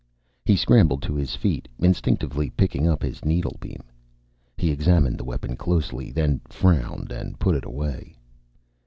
He scrambled to his feet, instinctively picking up his needlebeam. He examined the weapon closely, then frowned and put it away.